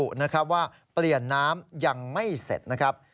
ระบุนะครับว่าเปลี่ยนน้ำยังไม่เสร็จนะครับ